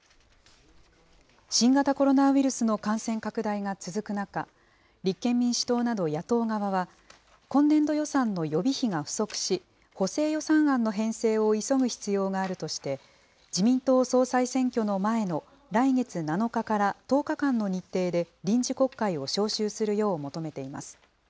新型コロナウイルスの感染拡大が続く中、立憲民主党など野党側は、今年度予算の予備費が不足し、補正予算案の編成を急ぐ必要があるとして、自民党総裁選挙の前の来月７日から１０日間の日程で、臨時国会を召集するよう求めています。